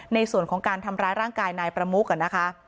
ในส่วนของการทำร้ายร่างกายนายประมุกนะคะ